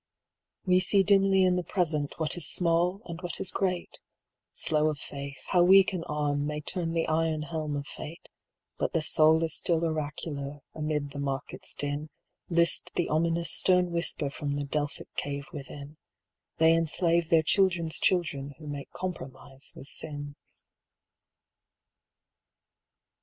We see dimly in the Present what is small and what is great, Slow of faith how weak an arm may turn the iron helm of fate, But the soul is still oracular; amid the market's din, List the ominous stern whisper from the Delphic cave within,— 'They enslave their children's children who make compromise with sin.